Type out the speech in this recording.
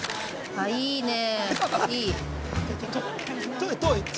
いいね。